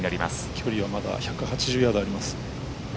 距離はまだ１８０ヤードあります。